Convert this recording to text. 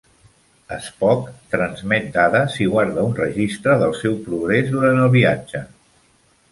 Spock transmet dades i guarda un registre del seu progrés durant el viatge.